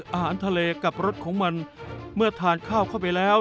อาหารทะเลกับรสของมันเมื่อทานข้าวเข้าไปแล้ว